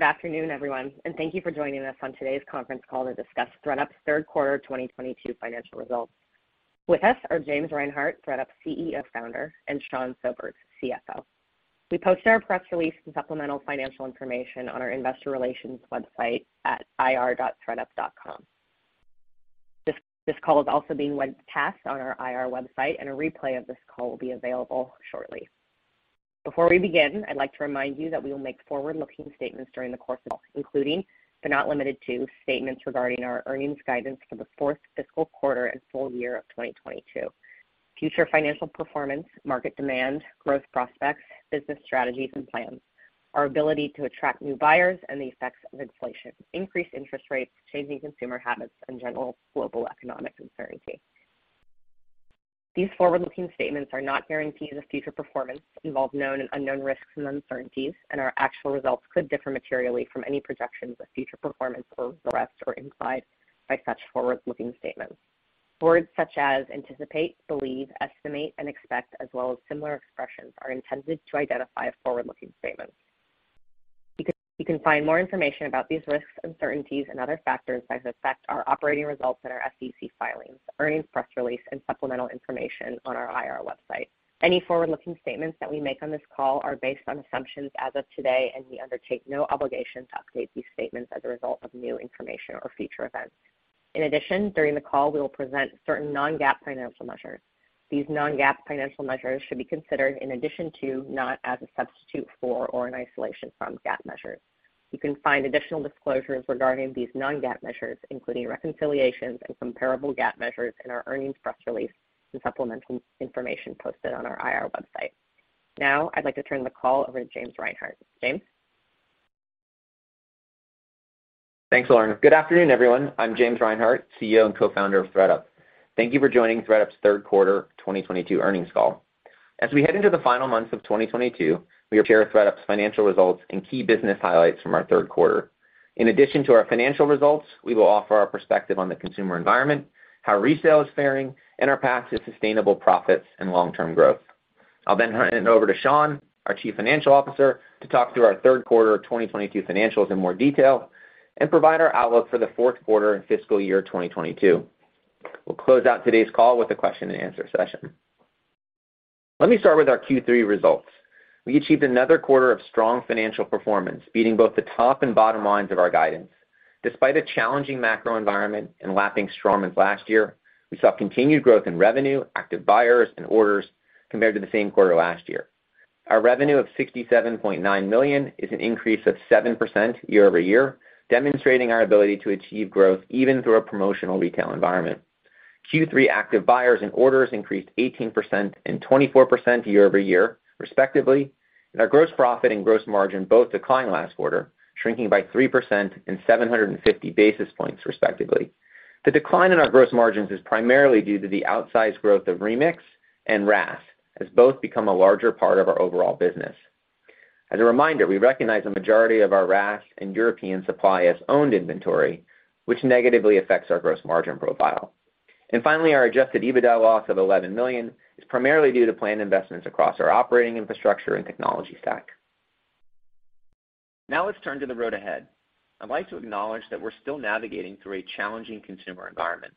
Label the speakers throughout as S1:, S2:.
S1: Good afternoon, everyone, and thank you for joining us on today's conference call to discuss ThredUp's Q3 2022 financial results. With us are James Reinhart, ThredUp's CEO and founder, and Sean Sobers, CFO. We posted our press release and supplemental financial information on our investor relations website at ir.thredup.com. This call is also being webcast on our IR website, and a replay of this call will be available shortly. Before we begin, I'd like to remind you that we will make forward-looking statements during the course of the call, including but not limited to, statements regarding our earnings guidance for the fourth fiscal quarter and full year of 2022, future financial performance, market demand, growth prospects, business strategies and plans, our ability to attract new buyers, and the effects of inflation, increased interest rates, changing consumer habits, and general global economic uncertainty. These forward-looking statements are not guarantees of future performance, involve known and unknown risks and uncertainties, and our actual results could differ materially from any projections of future performance or the results implied by such forward-looking statements. Words such as anticipate, believe, estimate, and expect, as well as similar expressions, are intended to identify forward-looking statements. You can find more information about these risks, uncertainties, and other factors that could affect our operating results in our SEC filings, earnings press release, and supplemental information on our IR website. Any forward-looking statements that we make on this call are based on assumptions as of today, and we undertake no obligation to update these statements as a result of new information or future events. In addition, during the call, we will present certain non-GAAP financial measures. These non-GAAP financial measures should be considered in addition to, not as a substitute for or an isolation from GAAP measures. You can find additional disclosures regarding these non-GAAP measures, including reconciliations and comparable GAAP measures in our earnings press release and supplemental information posted on our IR website. Now, I'd like to turn the call over to James Reinhart. James.
S2: Thanks, Lauren. Good afternoon, everyone. I'm James Reinhart, CEO and co-founder of ThredUp. Thank you for joining ThredUp's Q3 2022 earnings call. As we head into the final months of 2022, we are here to share ThredUp's financial results and key business highlights from our Q3. In addition to our financial results, we will offer our perspective on the consumer environment, how resale is faring, and our path to sustainable profits and long-term growth. I'll then hand it over to Sean, our Chief Financial Officer, to talk through our Q3 of 2022 financials in more detail and provide our outlook for the Q4 and fiscal year 2022. We'll close out today's call with a question and answer session. Let me start with our Q3 results. We achieved another quarter of strong financial performance, beating both the top and bottom lines of our guidance. Despite a challenging macro environment and lapping strong wins last year, we saw continued growth in revenue, active buyers, and orders compared to the same quarter last year. Our revenue of $67.9 million is an increase of 7% year-over-year, demonstrating our ability to achieve growth even through a promotional retail environment. Q3 active buyers and orders increased 18% and 24% year-over-year, respectively. Our gross profit and gross margin both declined last quarter, shrinking by 3% and 750 basis points, respectively. The decline in our gross margins is primarily due to the outsized growth of Remix and RaaS, as both become a larger part of our overall business. As a reminder, we recognize the majority of our RaaS and European supply as owned inventory, which negatively affects our gross margin profile. Finally, our adjusted EBITDA loss of $11 million is primarily due to planned investments across our operating infrastructure and technology stack. Now, let's turn to the road ahead. I'd like to acknowledge that we're still navigating through a challenging consumer environment.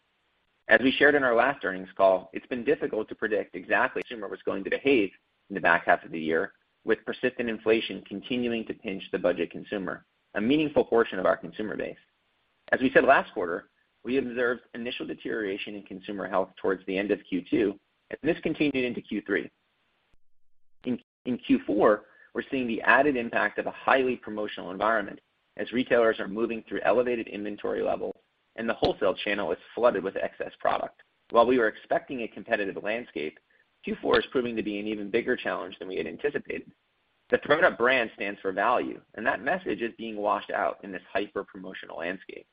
S2: As we shared in our last earnings call, it's been difficult to predict exactly how the consumer was going to behave in the back half of the year, with persistent inflation continuing to pinch the budget consumer, a meaningful portion of our consumer base. As we said last quarter, we observed initial deterioration in consumer health towards the end of Q2, and this continued into Q3. In Q4, we're seeing the added impact of a highly promotional environment as retailers are moving through elevated inventory levels and the wholesale channel is flooded with excess product. While we were expecting a competitive landscape, Q4 is proving to be an even bigger challenge than we had anticipated. The ThredUp brand stands for value, and that message is being washed out in this hyper-promotional landscape.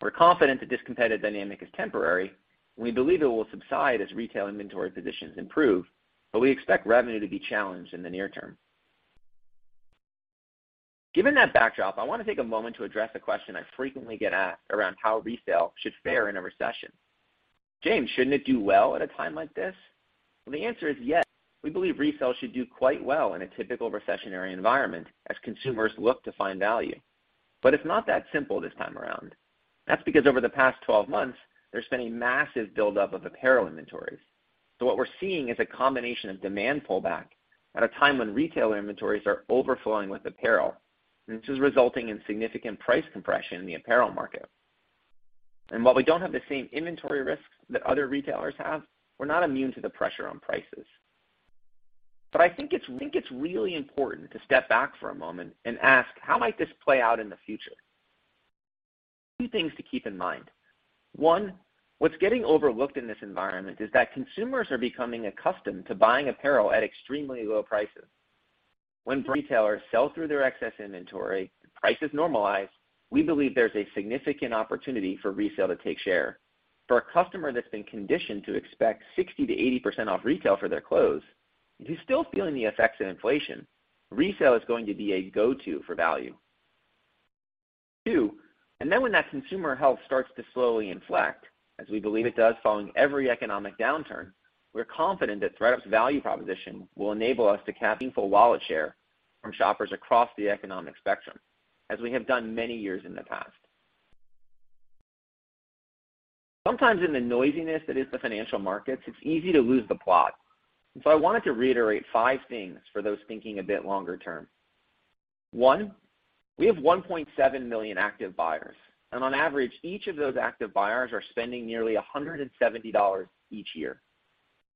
S2: We're confident that this competitive dynamic is temporary. We believe it will subside as retail inventory positions improve, but we expect revenue to be challenged in the near term. Given that backdrop, I want to take a moment to address a question I frequently get asked around how resale should fare in a recession. James, shouldn't it do well at a time like this? Well, the answer is yes. We believe resale should do quite well in a typical recessionary environment as consumers look to find value. It's not that simple this time around. That's because over the past 12 months, there's been a massive buildup of apparel inventories. What we're seeing is a combination of demand pullback at a time when retail inventories are overflowing with apparel. This is resulting in significant price compression in the apparel market. While we don't have the same inventory risks that other retailers have, we're not immune to the pressure on prices. I think it's really important to step back for a moment and ask, how might this play out in the future? A few things to keep in mind. One, what's getting overlooked in this environment is that consumers are becoming accustomed to buying apparel at extremely low prices. When retailers sell through their excess inventory, prices normalize, we believe there's a significant opportunity for resale to take share. For a customer that's been conditioned to expect 60%–80% off retail for their clothes, if you're still feeling the effects of inflation, resale is going to be a go-to for value. Two, when that consumer health starts to slowly inflect, as we believe it does following every economic downturn, we're confident that ThredUp's value proposition will enable us to cap meaningful wallet share from shoppers across the economic spectrum, as we have done many years in the past. Sometimes in the noisiness that is the financial markets, it's easy to lose the plot, and so I wanted to reiterate five things for those thinking a bit longer term. One, we have 1.7 million active buyers, and on average, each of those active buyers are spending nearly $170 each year.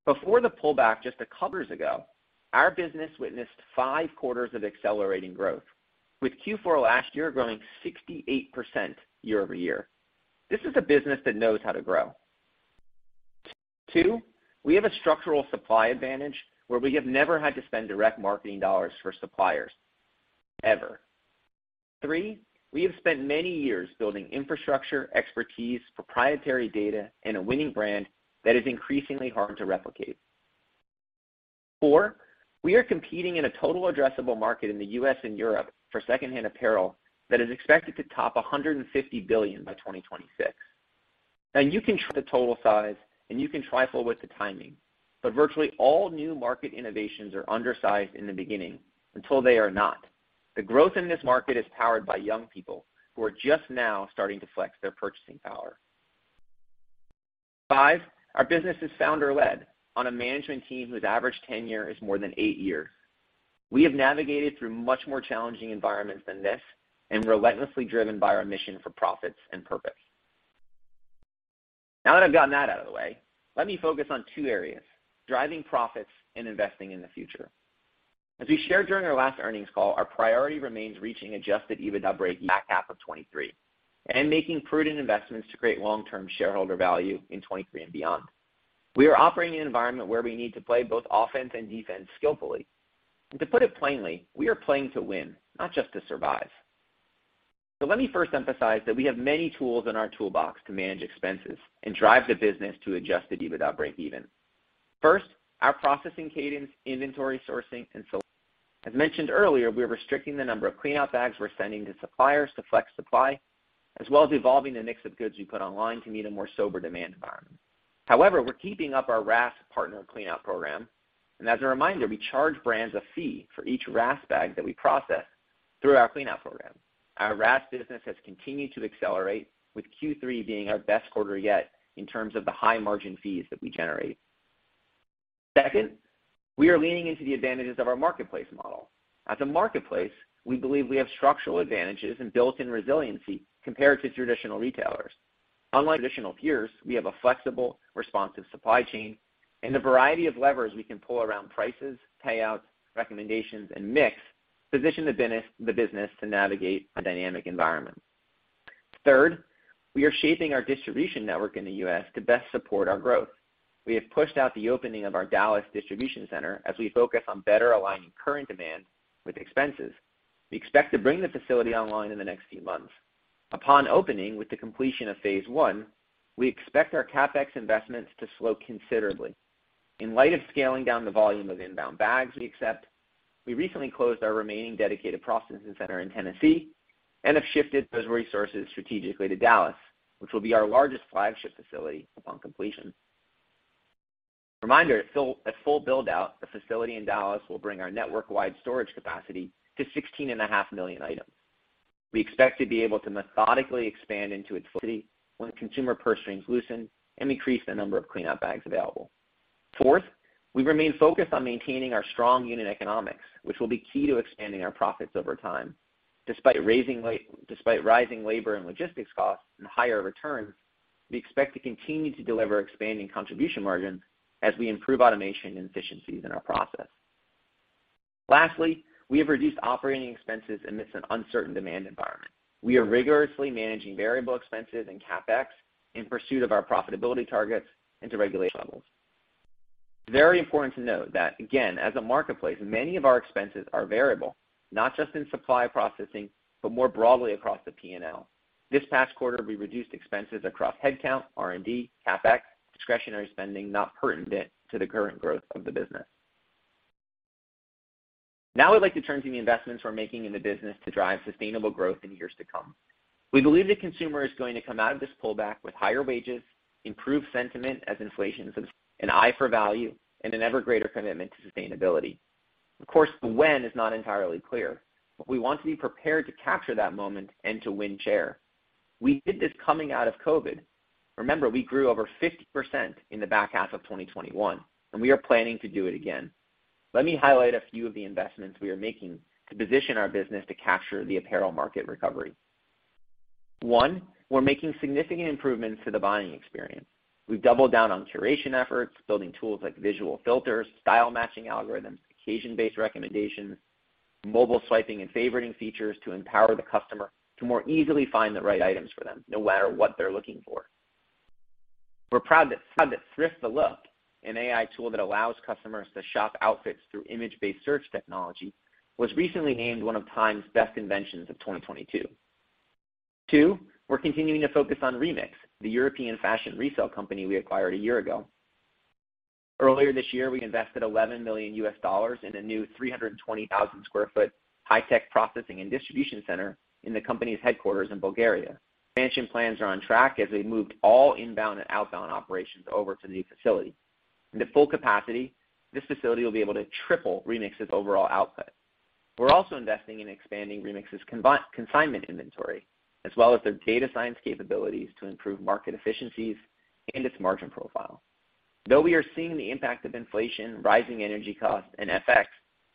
S2: Before the pullback just a couple years ago, our business witnessed 5 quarters of accelerating growth, with Q4 last year growing 68% year-over-year. This is a business that knows how to grow. Two, we have a structural supply advantage where we have never had to spend direct marketing dollars for suppliers, ever. Three, we have spent many years building infrastructure, expertise, proprietary data, and a winning brand that is increasingly hard to replicate. Four, we are competing in a total addressable market in the U.S. and Europe for secondhand apparel that is expected to top $150 billion by 2026. Now, you can try the total size and you can trifle with the timing, but virtually all new market innovations are undersized in the beginning until they are not. The growth in this market is powered by young people who are just now starting to flex their purchasing power. 5, our business is founder-led on a management team whose average tenure is more than 8 years. We have navigated through much more challenging environments than this and relentlessly driven by our mission for profits and purpose. Now that I've gotten that out of the way, let me focus on two areas, driving profits and investing in the future. As we shared during our last earnings call, our priority remains reaching adjusted EBITDA breakeven back half of 2023 and making prudent investments to create long-term shareholder value in 2023 and beyond. We are operating in an environment where we need to play both offense and defense skillfully. To put it plainly, we are playing to win, not just to survive. Let me first emphasize that we have many tools in our toolbox to manage expenses and drive the business to adjusted EBITDA breakeven. First, our processing cadence, inventory sourcing, and so on. As mentioned earlier, we are restricting the number of cleanout bags we're sending to suppliers to flex supply, as well as evolving the mix of goods we put online to meet a more sober demand environment. However, we're keeping up our RaaS partner cleanout program, and as a reminder, we charge brands a fee for each RaaS bag that we process through our cleanout program. Our RaaS business has continued to accelerate, with Q3 being our best quarter yet in terms of the high margin fees that we generate. Second, we are leaning into the advantages of our marketplace model. As a marketplace, we believe we have structural advantages and built-in resiliency compared to traditional retailers. Unlike traditional peers, we have a flexible, responsive supply chain and a variety of levers we can pull around prices, payouts, recommendations, and mix position the business to navigate a dynamic environment. Third, we are shaping our distribution network in the U.S. to best support our growth. We have pushed out the opening of our Dallas distribution center as we focus on better aligning current demand with expenses. We expect to bring the facility online in the next few months. Upon opening, with the completion of phase one, we expect our CapEx investments to slow considerably. In light of scaling down the volume of inbound bags we accept, we recently closed our remaining dedicated processing center in Tennessee and have shifted those resources strategically to Dallas, which will be our largest flagship facility upon completion. Reminder, at full build-out, the facility in Dallas will bring our network-wide storage capacity to 16.5 million items. We expect to be able to methodically expand into this city when consumer purse strings loosen and increase the number of cleanout bags available. Fourth, we remain focused on maintaining our strong unit economics, which will be key to expanding our profits over time. Despite rising labor and logistics costs and higher returns, we expect to continue to deliver expanding contribution margins as we improve automation and efficiencies in our process. Lastly, we have reduced operating expenses amidst an uncertain demand environment. We are rigorously managing variable expenses and CapEx in pursuit of our profitability targets and to target levels. Very important to note that, again, as a marketplace, many of our expenses are variable, not just in supply processing, but more broadly across the P&L. This past quarter, we reduced expenses across headcount, R&D, CapEx, discretionary spending not pertinent to the current growth of the business. Now I'd like to turn to the investments we're making in the business to drive sustainable growth in years to come. We believe the consumer is going to come out of this pullback with higher wages, improved sentiment as inflation subsides, an eye for value, and an ever-greater commitment to sustainability. Of course, the when is not entirely clear, but we want to be prepared to capture that moment and to win share. We did this coming out of COVID. Remember, we grew over 50% in the back half of 2021, and we are planning to do it again. Let me highlight a few of the investments we are making to position our business to capture the apparel market recovery. One, we're making significant improvements to the buying experience. We've doubled down on curation efforts, building tools like visual filters, style matching algorithms, occasion-based recommendations, mobile swiping, and favoriting features to empower the customer to more easily find the right items for them, no matter what they're looking for. We're proud that Thrift the Look, an AI tool that allows customers to shop outfits through image-based search technology, was recently named one of Time's Best Inventions of 2022. Two, we're continuing to focus on Remix, the European fashion resale company we acquired a year ago. Earlier this year, we invested $11 million in a new 320,000 sq ft high-tech processing and distribution center in the company's headquarters in Bulgaria. Expansion plans are on track as we moved all inbound and outbound operations over to the new facility. In the full capacity, this facility will be able to triple Remix's overall output. We're also investing in expanding Remix's consignment inventory, as well as their data science capabilities to improve market efficiencies and its margin profile. Though we are seeing the impact of inflation, rising energy costs, and FX,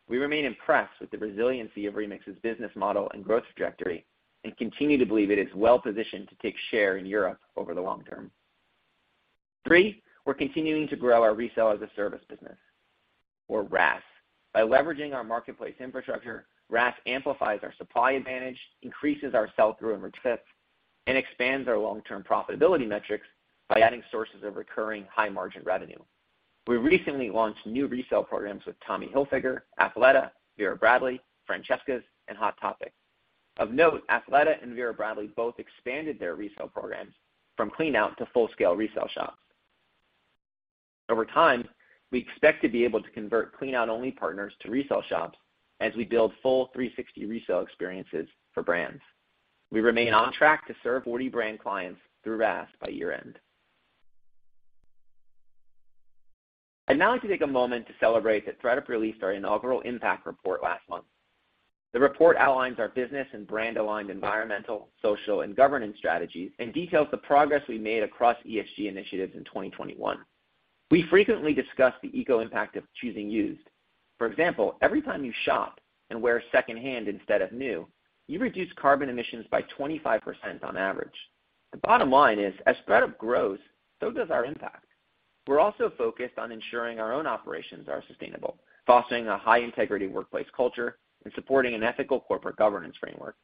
S2: we remain impressed with the resiliency of Remix's business model and growth trajectory, and continue to believe it is well-positioned to take share in Europe over the long term. Three, we're continuing to grow our Resale-as-a-Service business or RaaS. By leveraging our marketplace infrastructure, RaaS amplifies our supply advantage, increases our sell-through by 50%, and expands our long-term profitability metrics by adding sources of recurring high-margin revenue. We recently launched new resale programs with Tommy Hilfiger, Athleta, Vera Bradley, Francesca's, and Hot Topic. Of note, Athleta and Vera Bradley both expanded their resale programs from Clean Out to full-scale resale shops. Over time, we expect to be able to convert Clean Out-only partners to resale shops as we build full 360 resale experiences for brands. We remain on track to serve 40 brand clients through RaaS by year-end. I'd now like to take a moment to celebrate that ThredUp released our inaugural impact report last month. The report outlines our business and brand-aligned environmental, social, and governance strategies, and details the progress we made across ESG initiatives in 2021. We frequently discuss the eco-impact of choosing used. For example, every time you shop and wear secondhand instead of new, you reduce carbon emissions by 25% on average. The bottom line is, as ThredUp grows, so does our impact. We're also focused on ensuring our own operations are sustainable, fostering a high-integrity workplace culture, and supporting an ethical corporate governance framework.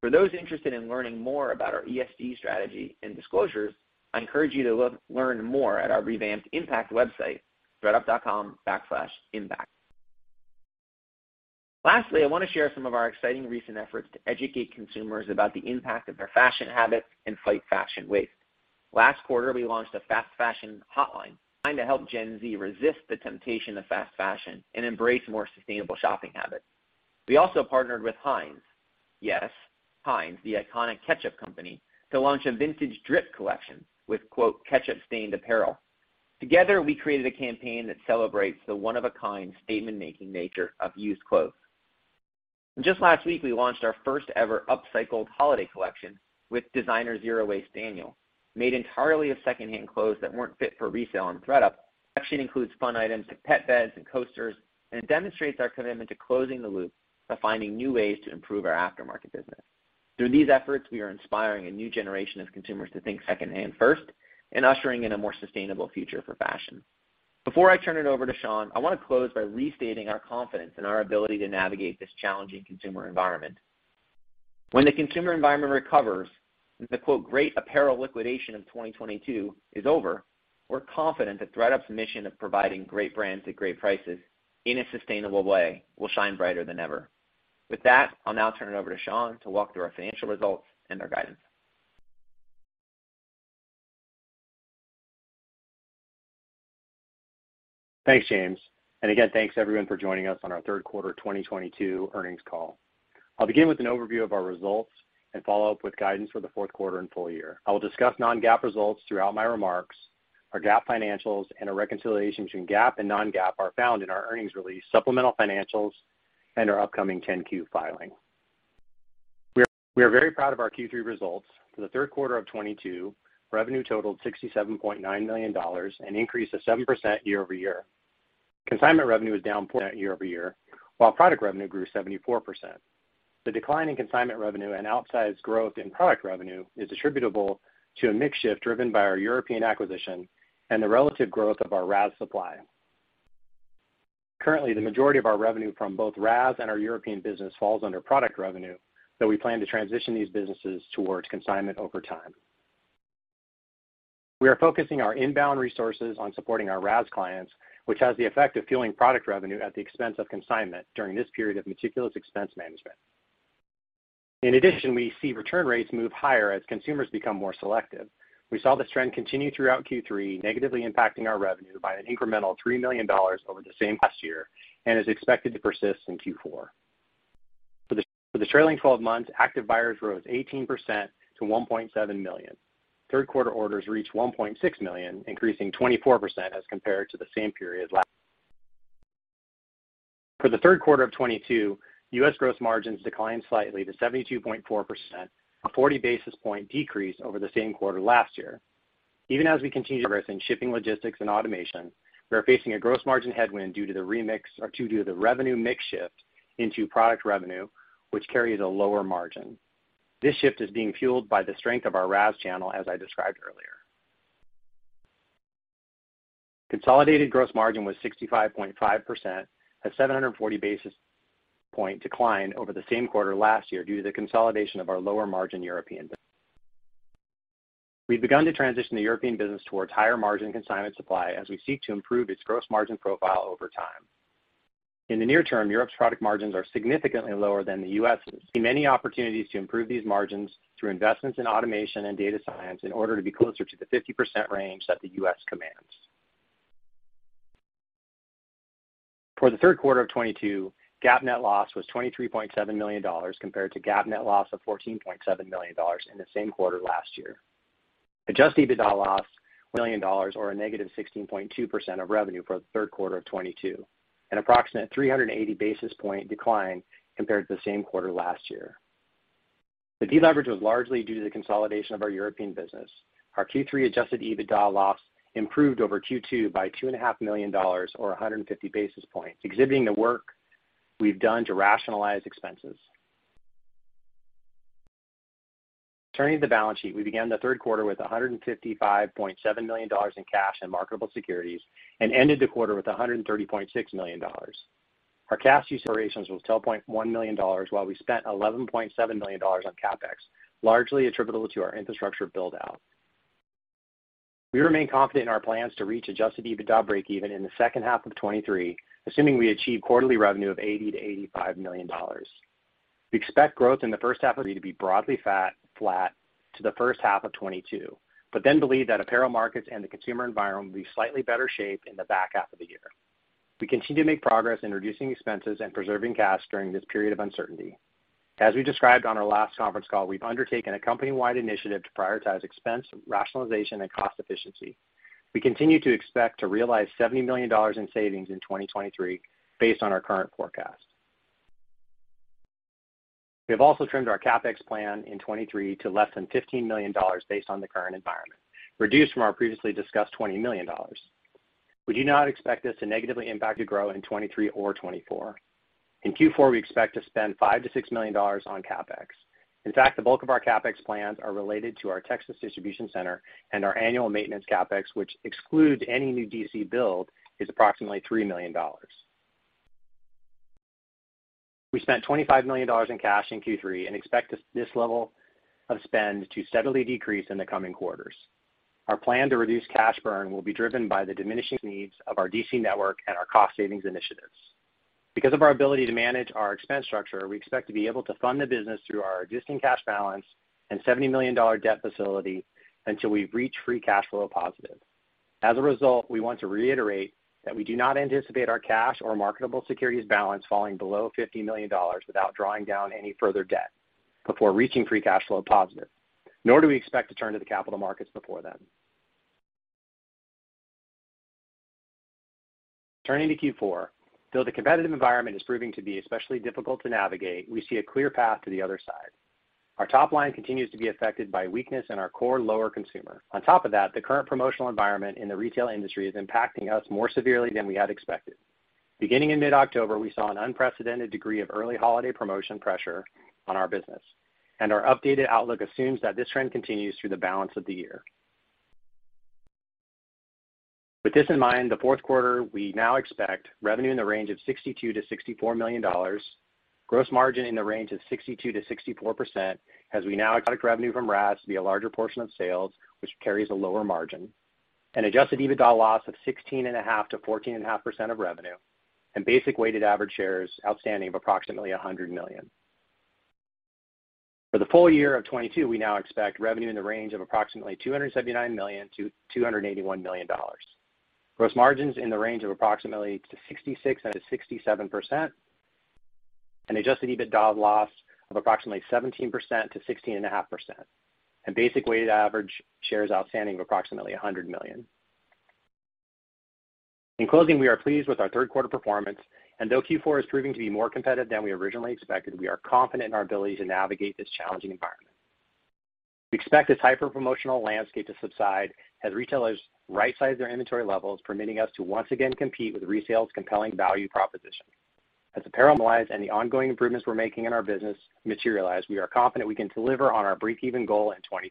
S2: For those interested in learning more about our ESG strategy and disclosures, I encourage you to learn more at our revamped impact website, thredup.com/impact. Lastly, I want to share some of our exciting recent efforts to educate consumers about the impact of their fashion habits and fight fashion waste. Last quarter, we launched a fast fashion hotline, trying to help Gen Z resist the temptation of fast fashion and embrace more sustainable shopping habits. We also partnered with Heinz. Yes, Heinz, the iconic ketchup company, to launch a vintage drip collection with, quote, "ketchup stained apparel." Together, we created a campaign that celebrates the one of a kind statement making nature of used clothes. Just last week, we launched our first ever upcycled holiday collection with designer Zero Waste Daniel, made entirely of secondhand clothes that weren't fit for resale on ThredUp. Collection includes fun items to pet beds and coasters, and it demonstrates our commitment to closing the loop by finding new ways to improve our aftermarket business. Through these efforts, we are inspiring a new generation of consumers to think secondhand first and ushering in a more sustainable future for fashion. Before I turn it over to Sean, I want to close by restating our confidence in our ability to navigate this challenging consumer environment. When the consumer environment recovers and the quote, "great apparel liquidation of 2022 is over," we're confident that ThredUp's mission of providing great brands at great prices in a sustainable way will shine brighter than ever. With that, I'll now turn it over to Sean to walk through our financial results and our guidance.
S3: Thanks, James. Again, thanks everyone for joining us on our Q3 2022 earnings call. I'll begin with an overview of our results and follow up with guidance for the Q4 and full year. I will discuss non-GAAP results throughout my remarks. Our GAAP financials and a reconciliation between GAAP and non-GAAP are found in our earnings release, supplemental financials, and our upcoming 10-Q filing. We are very proud of our Q3 results. For the Q3 of 2022, revenue totaled $67.9 million, an increase of 7% year-over-year. Consignment revenue was down 1% year-over-year, while product revenue grew 74%. The decline in consignment revenue and outsized growth in product revenue is attributable to a mix shift driven by our European acquisition and the relative growth of our RaaS supply. Currently, the majority of our revenue from both RaaS and our European business falls under product revenue, though we plan to transition these businesses towards consignment over time. We are focusing our inbound resources on supporting our RaaS clients, which has the effect of fueling product revenue at the expense of consignment during this period of meticulous expense management. In addition, we see return rates move higher as consumers become more selective. We saw this trend continue throughout Q3, negatively impacting our revenue by an incremental $3 million over the same period last year, and is expected to persist in Q4. For the trailing twelve months, active buyers rose 18% to 1.7 million. Q3 orders reached 1.6 million, increasing 24% as compared to the same period last. For the Q3 of 2022, U.S. gross margins declined slightly to 72.4%, a 40 basis points decrease over the same quarter last year. Even as we continue progressing shipping, logistics, and automation, we are facing a gross margin headwind due to the RaaS mix, or due to the revenue mix shift into product revenue, which carries a lower margin. This shift is being fueled by the strength of our RaaS channel, as I described earlier. Consolidated gross margin was 65.5%, a 740 basis points decline over the same quarter last year due to the consolidation of our lower margin European. We've begun to transition the European business towards higher margin consignment supply as we seek to improve its gross margin profile over time. In the near term, Europe's product margins are significantly lower than the U.S.'s. Many opportunities to improve these margins through investments in automation and data science in order to be closer to the 50% range that the U.S. commands. For the Q3 of 2022, GAAP net loss was $23.7 million compared to GAAP net loss of $14.7 million in the same quarter last year. Adjusted EBITDA loss, million dollars, or a negative 16.2% of revenue for the Q3 of 2022, an approximate 380 basis point decline compared to the same quarter last year. The deleverage was largely due to the consolidation of our European business. Our Q3 adjusted EBITDA loss improved over Q2 by $2.5 million or 150 basis points, exhibiting the work we've done to rationalize expenses. Turning to the balance sheet, we began the Q3 with $155.7 million in cash and marketable securities and ended the quarter with $130.6 million. Our cash usage operations was $12.1 million, while we spent $11.7 million on CapEx, largely attributable to our infrastructure build-out. We remain confident in our plans to reach adjusted EBITDA breakeven in the second half of 2023, assuming we achieve quarterly revenue of $80 million–$85 million. We expect growth in the first half of 2023 to be broadly flat to the first half of 2022, but then believe that apparel markets and the consumer environment will be in slightly better shape in the back half of the year. We continue to make progress in reducing expenses and preserving cash during this period of uncertainty. As we described on our last conference call, we've undertaken a company-wide initiative to prioritize expense, rationalization, and cost efficiency. We continue to expect to realize $70 million in savings in 2023 based on our current forecast. We have also trimmed our CapEx plan in twenty-three to less than $15 million based on the current environment, reduced from our previously discussed $20 million. We do not expect this to negatively impact the growth in twenty-three or twenty-four. In Q4, we expect to spend $5 million–$6 million on CapEx. In fact, the bulk of our CapEx plans are related to our Texas distribution center and our annual maintenance CapEx, which excludes any new DC build, is approximately $3 million. We spent $25 million in cash in Q3 and expect this level of spend to steadily decrease in the coming quarters. Our plan to reduce cash burn will be driven by the diminishing needs of our DC network and our cost savings initiatives. Because of our ability to manage our expense structure, we expect to be able to fund the business through our existing cash balance and $70 million debt facility until we reach free cash flow positive. As a result, we want to reiterate that we do not anticipate our cash or marketable securities balance falling below $50 million without drawing down any further debt before reaching free cash flow positive, nor do we expect to turn to the capital markets before then. Turning to Q4, though the competitive environment is proving to be especially difficult to navigate, we see a clear path to the other side. Our top line continues to be affected by weakness in our core lower consumer. On top of that, the current promotional environment in the retail industry is impacting us more severely than we had expected. Beginning in mid-October, we saw an unprecedented degree of early holiday promotion pressure on our business, and our updated outlook assumes that this trend continues through the balance of the year. With this in mind, the Q4, we now expect revenue in the range of $62 million–$64 million, gross margin in the range of 62%–64%, as we now project revenue from RaaS to be a larger portion of sales, which carries a lower margin, an adjusted EBITDA loss of 16.5%–14.5% of revenue, and basic weighted average shares outstanding of approximately 100 million. For the full year of 2022, we now expect revenue in the range of approximately $279 million–$281 million, gross margins in the range of approximately 66%–67%, an adjusted EBITDA loss of approximately 17%–16.5%, and basic weighted average shares outstanding of approximately 100 million. In closing, we are pleased with our Q3 performance, and though Q4 is proving to be more competitive than we originally expected, we are confident in our ability to navigate this challenging environment. We expect this hyper-promotional landscape to subside as retailers right-size their inventory levels, permitting us to once again compete with resale's compelling value proposition. As apparel and the ongoing improvements we're making in our business materialize, we are confident we can deliver on our breakeven goal in 2023.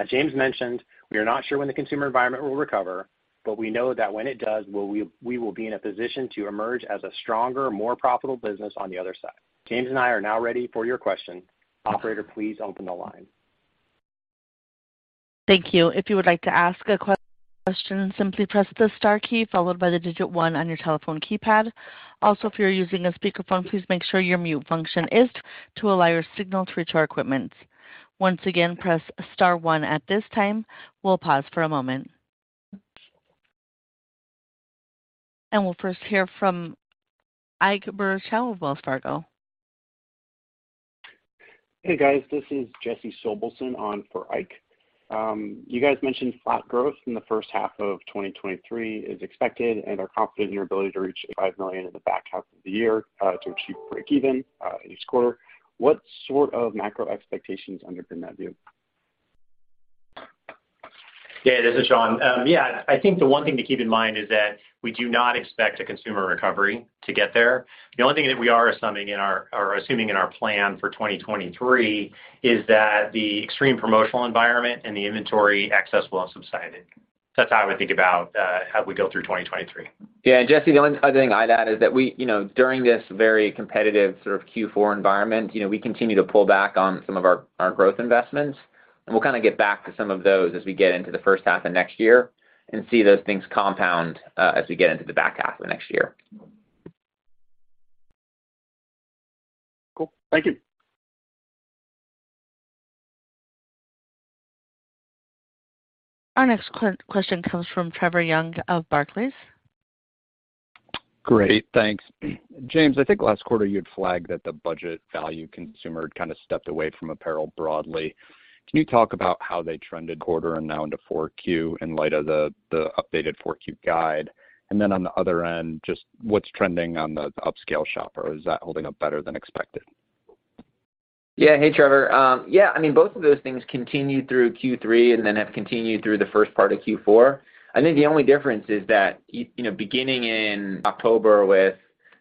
S3: As James mentioned, we are not sure when the consumer environment will recover, but we know that when it does, we will be in a position to emerge as a stronger, more profitable business on the other side. James and I are now ready for your question. Operator, please open the line.
S4: Thank you. If you would like to ask a question, simply press the star key followed by the digit one on your telephone keypad. Also, if you're using a speakerphone, please make sure your mute function is off to allow your signal through to our equipment. Once again, press star one at this time. We'll pause for a moment. We'll first hear from Ike Boruchow of Wells Fargo.
S5: Hey, guys. This is Jesse Sobelson on for Ike. You guys mentioned flat growth in the first half of 2023 is expected and are confident in your ability to reach $5 million in the back half of the year to achieve breakeven in each quarter. What sort of macro expectations underpin that view?
S3: Yeah, this is Sean. I think the one thing to keep in mind is that we do not expect a consumer recovery to get there. The only thing that we are assuming in our plan for 2023 is that the extreme promotional environment and the inventory excess will have subsided. That's how I would think about how we go through 2023.
S2: Yeah, Jesse, the only other thing I'd add is that we, you know, during this very competitive sort of Q4 environment, you know, we continue to pull back on some of our growth investments, and we'll kinda get back to some of those as we get into the first half of next year and see those things compound as we get into the back half of next year.
S5: Cool. Thank you.
S4: Our next question comes from Trevor Young of Barclays.
S6: Great. Thanks. James, I think last quarter you had flagged that the budget value consumer kind of stepped away from apparel broadly. Can you talk about how they trended this quarter and now into 4Q in light of the updated 4Q guide? On the other end, just what's trending on the upscale shopper? Is that holding up better than expected?
S2: Yeah. Hey, Trevor. I mean, both of those things continued through Q3 and then have continued through the first part of Q4. I think the only difference is that you know, beginning in October with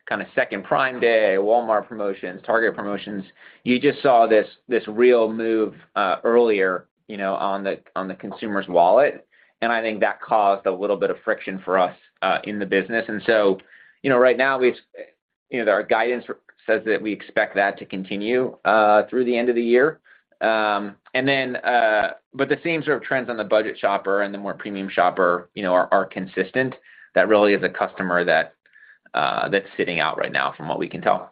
S2: kinda second Prime Day, Walmart promotions, Target promotions, you just saw this real move earlier, you know, on the consumer's wallet. I think that caused a little bit of friction for us in the business. You know, right now we've, you know, our guidance says that we expect that to continue through the end of the year. The same sort of trends on the budget shopper and the more premium shopper, you know, are consistent. That really is a customer that's sitting out right now from what we can tell.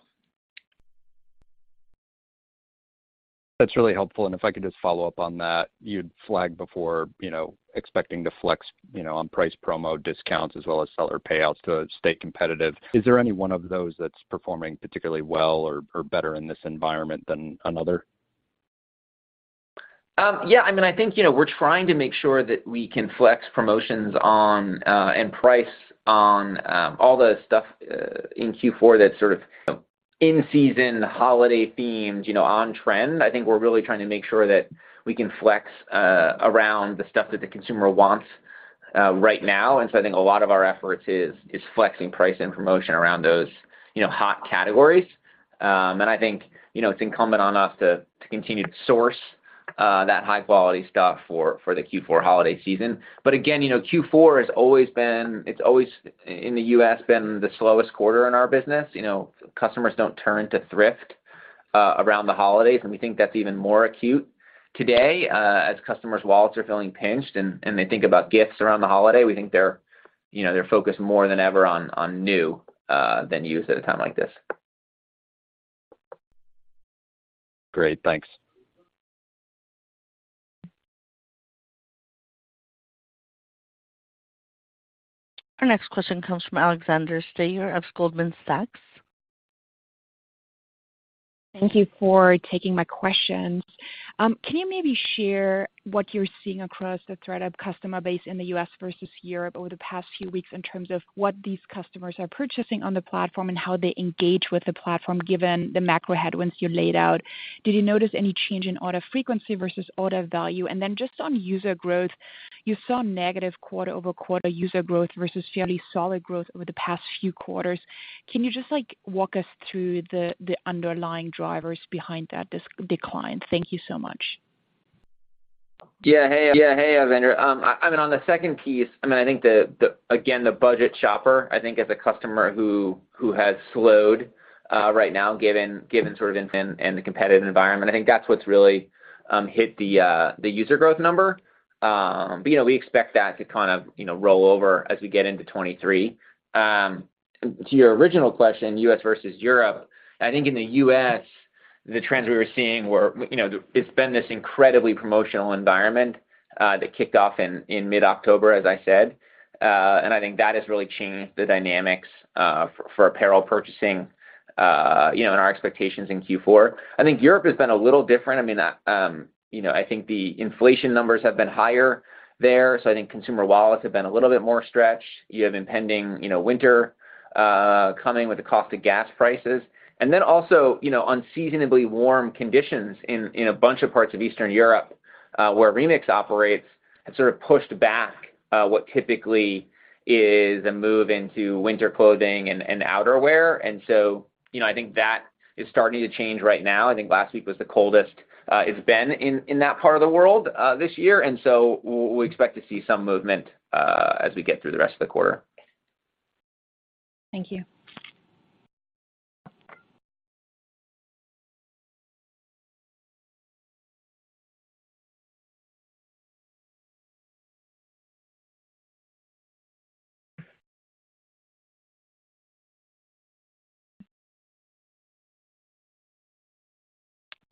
S6: That's really helpful. If I could just follow up on that. You'd flagged before, you know, expecting to flex, you know, on price promo discounts as well as seller payouts to stay competitive. Is there any one of those that's performing particularly well or better in this environment than another?
S2: Yeah. I mean, I think, you know, we're trying to make sure that we can flex promotions on and price on all the stuff in Q4 that's sort of in season, holiday themed, you know, on trend. I think we're really trying to make sure that we can flex around the stuff that the consumer wants right now. I think a lot of our efforts is flexing price and promotion around those, you know, hot categories. I think, you know, it's incumbent on us to continue to source that high quality stuff for the Q4 holiday season. Again, you know, it's always in the U.S. been the slowest quarter in our business. You know, customers don't turn to thrift around the holidays, and we think that's even more acute today, as customers' wallets are feeling pinched and they think about gifts around the holiday. We think they're, you know, focused more than ever on new than used at a time like this.
S6: Great. Thanks.
S4: Our next question comes from Alexandra Steiger of Goldman Sachs.
S7: Thank you for taking my questions. Can you maybe share what you're seeing across the ThredUp customer base in the U.S. versus Europe over the past few weeks in terms of what these customers are purchasing on the platform and how they engage with the platform, given the macro headwinds you laid out? Did you notice any change in order frequency versus order value? Just on user growth, you saw negative quarter-over-quarter user growth versus fairly solid growth over the past few quarters. Can you just, like, walk us through the underlying drivers behind that decline? Thank you so much.
S2: Yeah. Hey, yeah. Hey, Alexandra. I mean, on the second piece, I mean, I think the again, the budget shopper, I think is a customer who has slowed right now given sort of inflation and the competitive environment. I think that's what's really hit the user growth number. But you know, we expect that to kind of you know, roll over as we get into 2023. To your original question, U.S. versus Europe. I think in the U.S., the trends we were seeing were you know, it's been this incredibly promotional environment that kicked off in mid-October, as I said. I think that has really changed the dynamics for apparel purchasing you know, and our expectations in Q4. I think Europe has been a little different. I mean, you know, I think the inflation numbers have been higher there, so I think consumer wallets have been a little bit more stretched. You have impending, you know, winter coming with the cost of gas prices. Then also, you know, unseasonably warm conditions in a bunch of parts of Eastern Europe, where Remix operates, have sort of pushed back what typically is a move into winter clothing and outerwear. You know, I think that is starting to change right now. I think last week was the coldest it's been in that part of the world this year, and so we expect to see some movement as we get through the rest of the quarter.
S7: Thank you.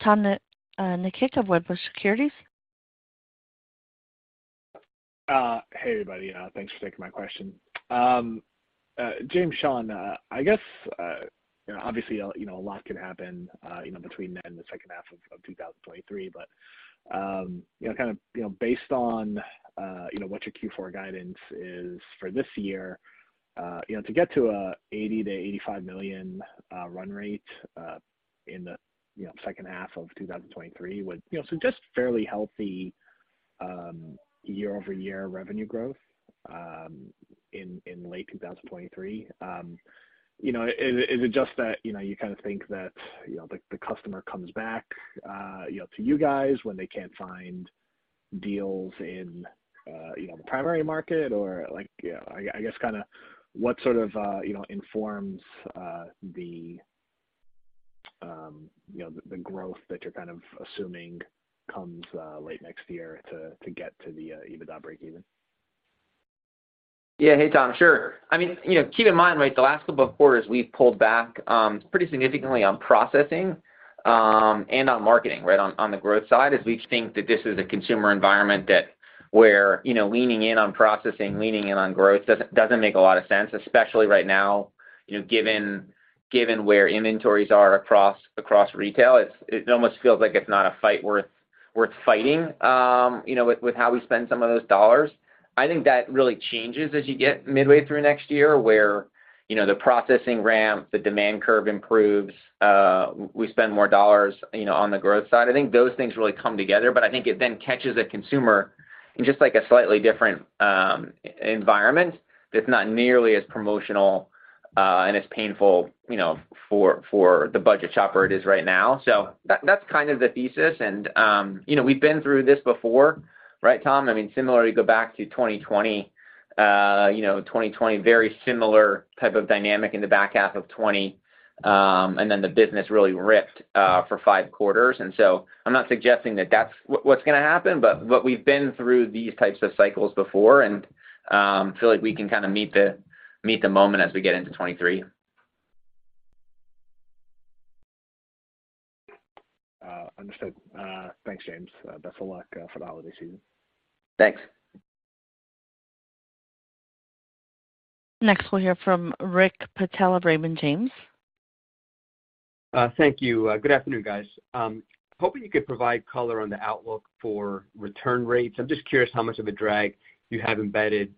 S4: Tom Nikic of Wedbush Securities.
S8: Hey, everybody. Thanks for taking my question. James, Sean, I guess, you know, obviously a lot can happen, you know, between now and the second half of 2023, but you know, kind of, you know, based on, you know, what your Q4 guidance is for this year, you know, to get to a $80 million–$85 million run rate, you know, in the second half of 2023 would, you know, so just fairly healthy year-over-year revenue growth, you know, in late 2023. You know, is it just that, you know, you kinda think that, you know, the customer comes back, you know, to you guys when they can't find deals in, you know, the primary market? Like, you know, I guess kinda what sort of, you know, informs the growth that you're kind of assuming comes late next year to get to the EBITDA breakeven?
S2: Yeah. Hey, Tom. Sure. I mean, you know, keep in mind, right, the last couple of quarters, we've pulled back pretty significantly on processing and on marketing, right? On the growth side, as we think that this is a consumer environment that we're, you know, leaning in on processing, leaning in on growth doesn't make a lot of sense, especially right now, you know, given where inventories are across retail. It almost feels like it's not a fight worth fighting, you know, with how we spend some of those dollars. I think that really changes as you get midway through next year where, you know, the processing ramp, the demand curve improves, we spend more dollars, you know, on the growth side. I think those things really come together. I think it then catches a consumer in just, like, a slightly different environment that's not nearly as promotional and as painful, you know, for the budget shopper it is right now. That's kind of the thesis. You know, we've been through this before, right, Tom? I mean, similarly, go back to 2020. You know, 2020, very similar type of dynamic in the back half of 2020, and then the business really ripped for 5 quarters. I'm not suggesting that that's what's gonna happen, but we've been through these types of cycles before, and feel like we can kind of meet the moment as we get into 2023.
S8: Understood. Thanks, James. Best of luck for the holiday season.
S2: Thanks.
S4: Next, we'll hear from Rick Patel of Raymond James.
S9: Thank you. Good afternoon, guys. Hoping you could provide color on the outlook for return rates. I'm just curious how much of a drag you have embedded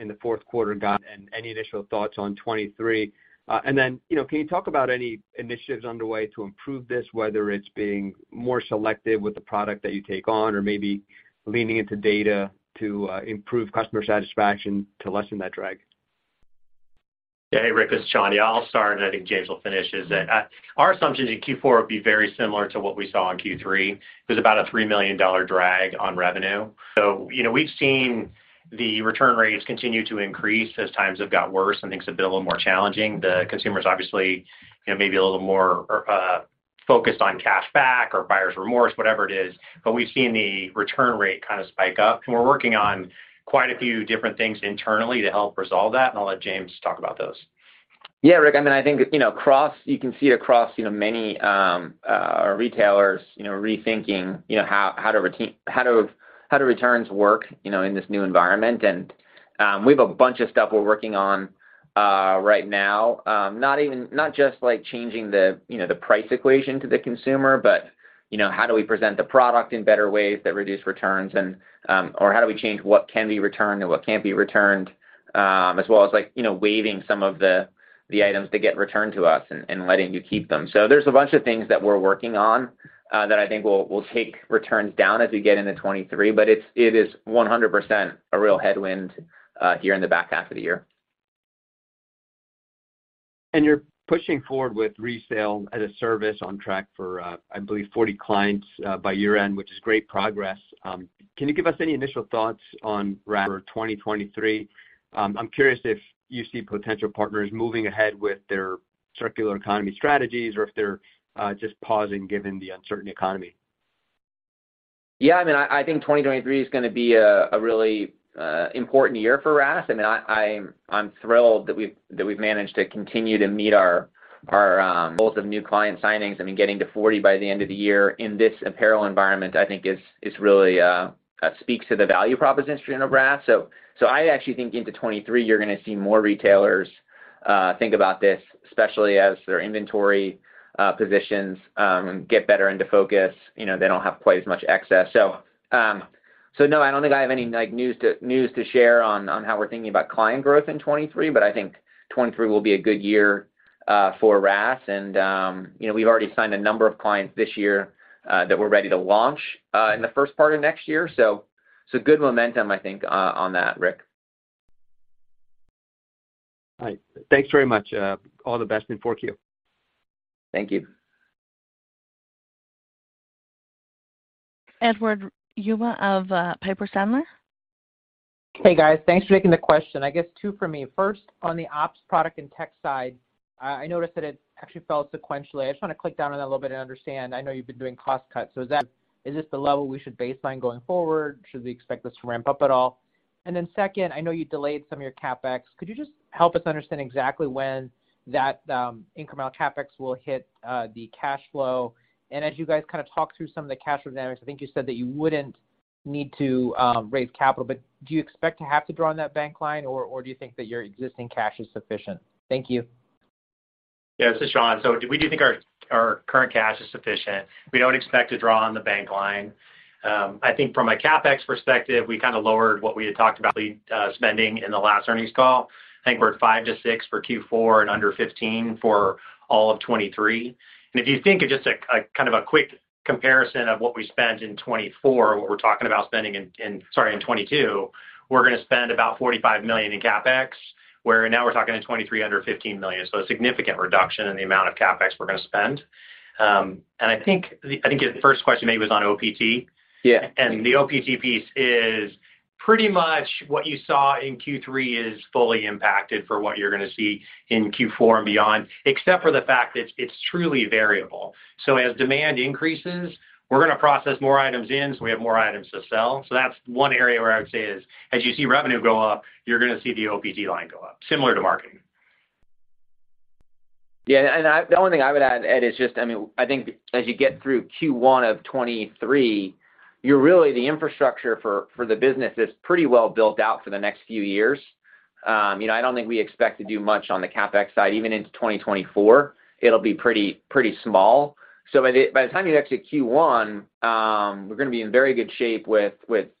S9: in the Q4 and any initial thoughts on 2023. You know, can you talk about any initiatives underway to improve this, whether it's being more selective with the product that you take on or maybe leaning into data to improve customer satisfaction to lessen that drag?
S3: Yeah. Hey, Rick, this is Sean. Yeah, I'll start, and I think James will finish. Is that our assumption in Q4 would be very similar to what we saw in Q3. It was about a $3 million drag on revenue. You know, we've seen the return rates continue to increase as times have got worse and things have been a little more challenging. The consumer's obviously, you know, maybe a little more focused on cash back or buyer's remorse, whatever it is. We've seen the return rate kind of spike up, and we're working on quite a few different things internally to help resolve that, and I'll let James talk about those.
S2: Yeah. Rick, I mean, I think you know, you can see across many retailers, you know, rethinking how do returns work, you know, in this new environment. We have a bunch of stuff we're working on right now, not just, like, changing the price equation to the consumer, but how do we present the product in better ways that reduce returns, or how do we change what can be returned and what can't be returned, as well as, like, waiving some of the items that get returned to us and letting you keep them. There's a bunch of things that we're working on that I think will take returns down as we get into 2023, but it is 100% a real headwind here in the back half of the year.
S9: You're pushing forward with Resale-as-a-Service on track for, I believe 40 clients, by year-end, which is great progress. Can you give us any initial thoughts on RaaS for 2023? I'm curious if you see potential partners moving ahead with their circular economy strategies or if they're just pausing given the uncertain economy.
S2: Yeah, I mean, I think 2023 is gonna be a really important year for RaaS. I mean, I'm thrilled that we've managed to continue to meet our goals of new client signings. I mean, getting to 40 by the end of the year in this apparel environment, I think is really speaks to the value proposition of RaaS. I actually think into 2023, you're gonna see more retailers think about this, especially as their inventory positions get better into focus. You know, they don't have quite as much excess. No, I don't think I have any like news to share on how we're thinking about client growth in 2023, but I think 2023 will be a good year for RaaS. You know, we've already signed a number of clients this year that we're ready to launch in the first part of next year. Good momentum, I think, on that, Rick.
S9: All right. Thanks very much. All the best in Q4.
S2: Thank you.
S4: Edward Yruma of Piper Sandler.
S10: Hey, guys. Thanks for taking the question. I guess two for me. First, on the Ops, Product, and Tech side, I noticed that it actually fell sequentially. I just wanna click down on that a little bit and understand. I know you've been doing cost cuts. Is this the level we should baseline going forward? Should we expect this to ramp up at all? And then second, I know you delayed some of your CapEx. Could you just help us understand exactly when that incremental CapEx will hit the cash flow? And as you guys kinda talked through some of the cash flow dynamics, I think you said that you wouldn't need to raise capital, but do you expect to have to draw on that bank line, or do you think that your existing cash is sufficient? Thank you.
S3: Yeah. This is Sean. We do think our current cash is sufficient. We don't expect to draw on the bank line. I think from a CapEx perspective, we kinda lowered what we had talked about spending in the last earnings call. I think we're at $5 million–$6 million for Q4 and under $15 million for all of 2023. If you think of just a kind of a quick comparison of what we spent in 2022, we're gonna spend about $45 million in CapEx, where now we're talking in 2023 under $15 million. A significant reduction in the amount of CapEx we're gonna spend. I think your first question maybe was on OPT.
S10: Yeah.
S3: The OPT piece is pretty much what you saw in Q3 is fully impacted for what you're gonna see in Q4 and beyond, except for the fact that it's truly variable. As demand increases, we're gonna process more items in, so we have more items to sell. That's one area where I would say is, as you see revenue go up, you're gonna see the OPT line go up, similar to marketing.
S2: Yeah. I, the only thing I would add, Ed, is just, I mean, I think as you get through Q1 of 2023, you're really the infrastructure for the business is pretty well built out for the next few years. You know, I don't think we expect to do much on the CapEx side, even into 2024, it'll be pretty small. By the time you get to Q1, we're gonna be in very good shape with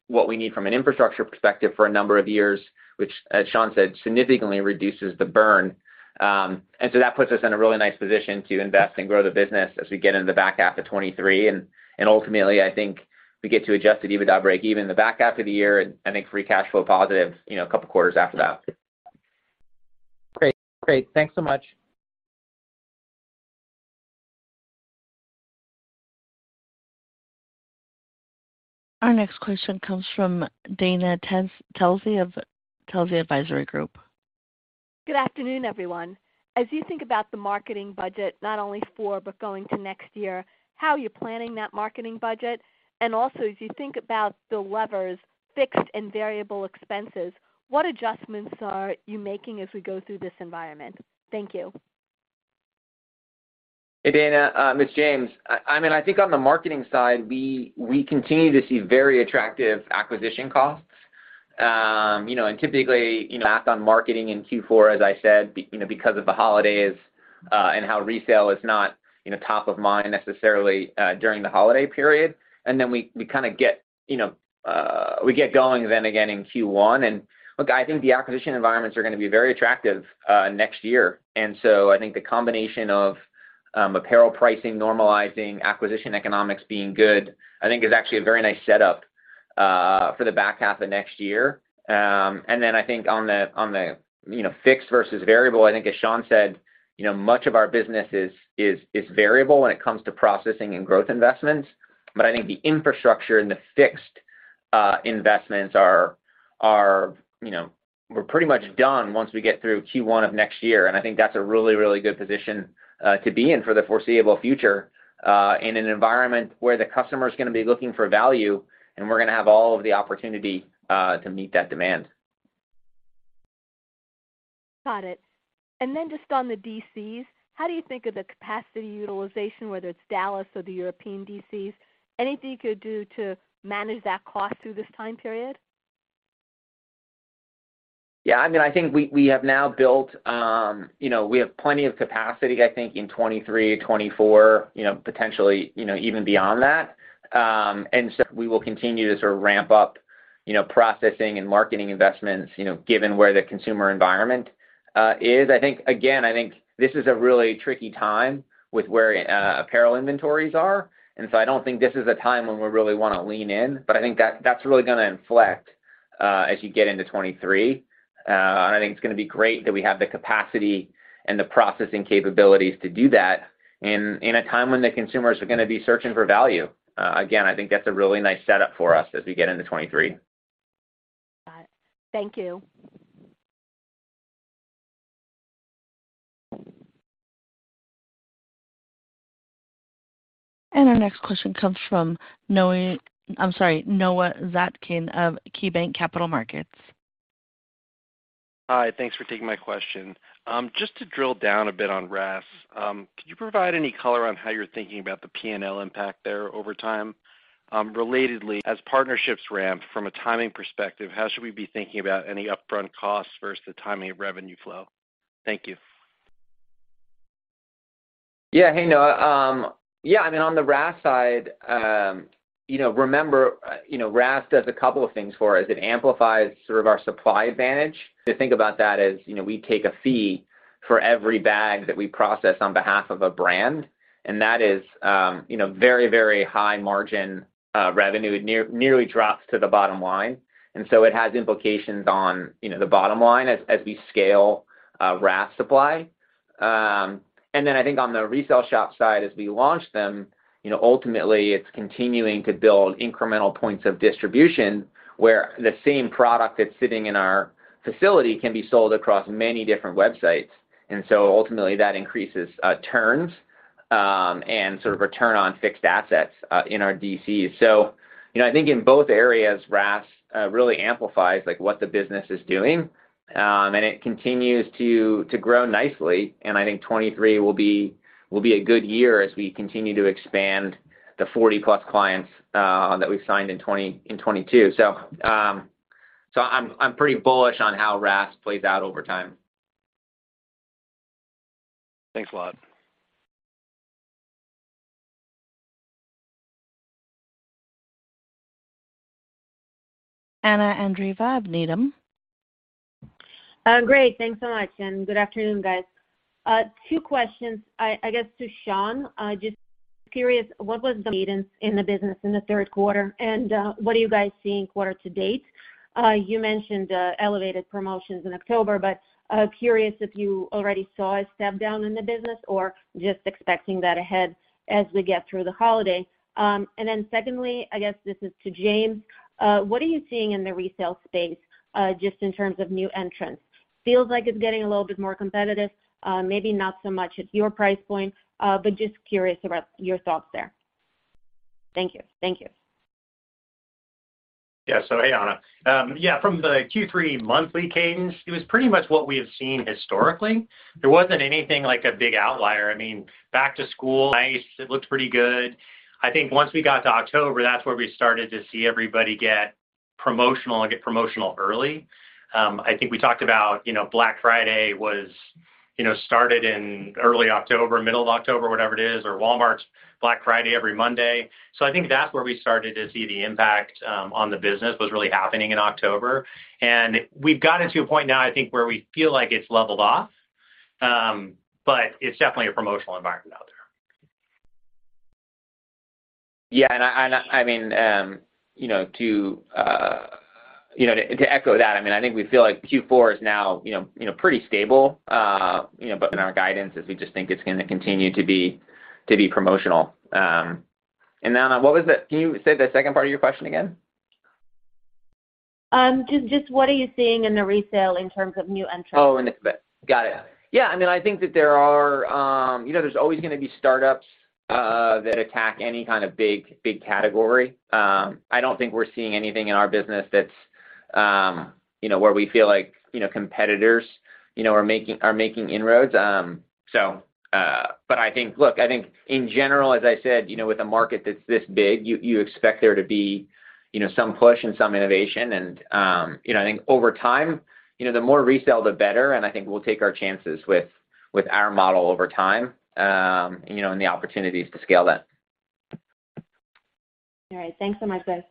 S2: what we need from an infrastructure perspective for a number of years, which, as Sean said, significantly reduces the burn. That puts us in a really nice position to invest and grow the business as we get into the back half of 2023. Ultimately, I think we get to adjusted EBITDA breakeven in the back half of the year, and I think free cash flow positive, you know, a couple quarters after that.
S10: Great. Thanks so much.
S4: Our next question comes from Dana Telsey of Telsey Advisory Group.
S11: Good afternoon, everyone. As you think about the marketing budget, not only for, but going to next year, how are you planning that marketing budget? Also, as you think about the levers, fixed and variable expenses, what adjustments are you making as we go through this environment? Thank you.
S2: Hey, Dana, it's James. I mean, I think on the marketing side, we continue to see very attractive acquisition costs. You know, typically, you know, back on marketing in Q4, as I said, you know, because of the holidays, and how resale is not, you know, top of mind necessarily, during the holiday period. We kind of get, you know, we get going then again in Q1. Look, I think the acquisition environments are gonna be very attractive next year. I think the combination of apparel pricing normalizing, acquisition economics being good, I think is actually a very nice setup for the back half of next year. I think on the you know, fixed versus variable, I think as Sean said, you know, much of our business is variable when it comes to processing and growth investments. I think the infrastructure and the fixed investments are, you know, we're pretty much done once we get through Q1 of next year. I think that's a really good position to be in for the foreseeable future in an environment where the customer's gonna be looking for value, and we're gonna have all of the opportunity to meet that demand.
S11: Got it. Just on the DCs, how do you think of the capacity utilization, whether it's Dallas or the European DCs? Anything you could do to manage that cost through this time period?
S2: Yeah, I mean, I think we have now built, you know, we have plenty of capacity, I think, in 2023, 2024, you know, potentially, you know, even beyond that. We will continue to sort of ramp up, you know, processing and marketing investments, you know, given where the consumer environment is. I think, again, I think this is a really tricky time with where apparel inventories are. I don't think this is a time when we really wanna lean in, but I think that's really gonna inflect as you get into 2023. I think it's gonna be great that we have the capacity and the processing capabilities to do that in a time when the consumers are gonna be searching for value. Again, I think that's a really nice setup for us as we get into 2023.
S11: Got it. Thank you.
S4: Our next question comes from Noah, I'm sorry, Noah Zatzkin of KeyBanc Capital Markets.
S12: Hi. Thanks for taking my question. Just to drill down a bit on RaaS, could you provide any color on how you're thinking about the P&L impact there over time? Relatedly, as partnerships ramp from a timing perspective, how should we be thinking about any upfront costs versus the timing of revenue flow? Thank you.
S2: Yeah. Hey, Noah. Yeah, I mean, on the RaaS side, you know, remember, you know, RaaS does a couple of things for us. It amplifies sort of our supply advantage. To think about that as, you know, we take a fee for every bag that we process on behalf of a brand, and that is, you know, very, very high margin revenue. It nearly drops to the bottom line. It has implications on, you know, the bottom line as we scale RaaS supply. And then I think on the resale shop side, as we launch them, you know, ultimately, it's continuing to build incremental points of distribution, where the same product that's sitting in our facility can be sold across many different websites. Ultimately, that increases turns and sort of return on fixed assets in our DCs. You know, I think in both areas, RaaS really amplifies, like, what the business is doing. It continues to grow nicely, and I think 2023 will be a good year as we continue to expand the 40-plus clients that we've signed in 2022. I'm pretty bullish on how RaaS plays out over time.
S10: Thanks a lot.
S4: Anna Andreeva of Needham.
S13: Great. Thanks so much, and good afternoon, guys. Two questions, I guess, to Sean. Just curious, what was the cadence in the business in the Q3, and what are you guys seeing quarter to date? You mentioned elevated promotions in October, but curious if you already saw a step down in the business or just expecting that ahead as we get through the holiday. And then secondly, I guess this is to James, what are you seeing in the resale space, just in terms of new entrants? Feels like it's getting a little bit more competitive, maybe not so much at your price point, but just curious about your thoughts there. Thank you. Thank you.
S3: Yeah. Hey, Anna. Yeah, from the Q3 monthly cadence, it was pretty much what we have seen historically. There wasn't anything like a big outlier. I mean, back to school, nice. It looked pretty good. I think once we got to October, that's where we started to see everybody get promotional early. I think we talked about, you know, Black Friday was, you know, started in early October, middle of October, whatever it is, or Walmart's Black Friday every Monday. So I think that's where we started to see the impact on the business was really happening in October. We've gotten to a point now, I think, where we feel like it's leveled off, but it's definitely a promotional environment out there.
S2: Yeah. I mean, you know, to echo that, I mean, I think we feel like Q4 is now, you know, pretty stable, but in our guidance is we just think it's gonna continue to be promotional. Anna, can you say the second part of your question again?
S13: Just what are you seeing in the resale in terms of new entrants?
S2: Got it. Yeah. I mean, I think that there are, you know, there's always gonna be startups that attack any kind of big category. I don't think we're seeing anything in our business that's, you know, where we feel like, you know, competitors, you know, are making inroads. I think look, I think in general, as I said, you know, with a market that's this big, you expect there to be, you know, some push and some innovation and, you know, I think over time, you know, the more resale, the better, and I think we'll take our chances with our model over time, you know, and the opportunities to scale that.
S13: All right. Thanks so much, guys.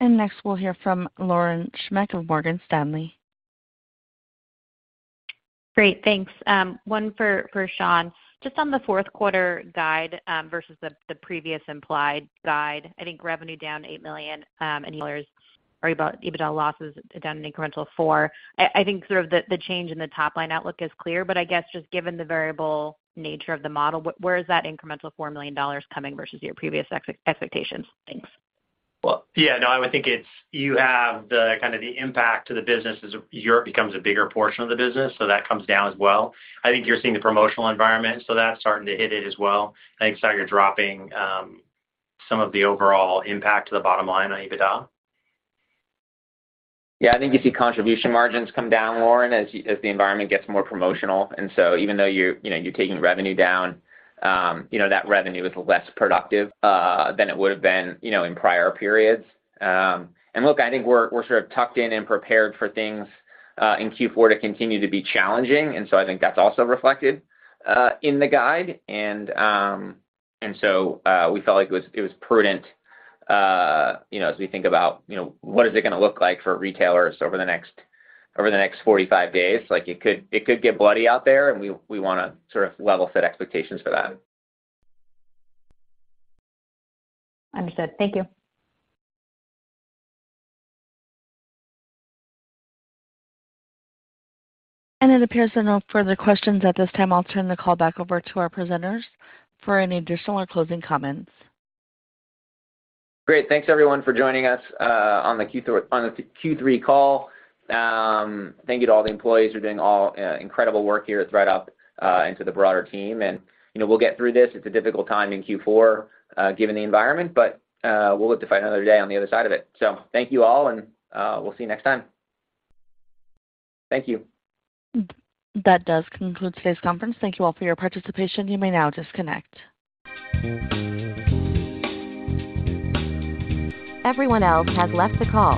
S4: Next, we'll hear from Lauren Schenk of Morgan Stanley.
S14: Great. Thanks. One for Sean. Just on the Q4 guide versus the previous implied guide, I think revenue down $8 million dollars or about EBITDA losses down an incremental $4 million. I think sort of the change in the top line outlook is clear, but I guess just given the variable nature of the model, where is that incremental $4 million dollars coming versus your previous expectations? Thanks.
S3: Well, yeah, no, I would think it's you have the kind of the impact to the business as Europe becomes a bigger portion of the business, so that comes down as well. I think you're seeing the promotional environment, so that's starting to hit it as well. I think you're dropping some of the overall impact to the bottom line on EBITDA.
S2: Yeah. I think you see contribution margins come down, Lauren, as the environment gets more promotional. Even though you're, you know, you're taking revenue down, you know, that revenue is less productive than it would've been, you know, in prior periods. Look, I think we're sort of tucked in and prepared for things in Q4 to continue to be challenging. I think that's also reflected in the guide. We felt like it was prudent, you know, as we think about, you know, what is it gonna look like for retailers over the next 45 days. Like, it could get bloody out there, and we wanna sort of level set expectations for that.
S14: Understood. Thank you.
S4: It appears there are no further questions at this time. I'll turn the call back over to our presenters for any additional or closing comments.
S2: Great. Thanks, everyone for joining us on the Q3 call. Thank you to all the employees for doing all incredible work here at ThredUp and to the broader team. You know, we'll get through this. It's a difficult time in Q4 given the environment, but we'll live to fight another day on the other side of it. Thank you all, and we'll see you next time.
S3: Thank you.
S4: That does conclude today's conference. Thank you all for your participation. You may now disconnect.
S1: Everyone else has left the call.